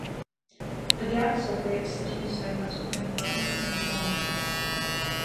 An gap separates the two segments within Welland and Pelham.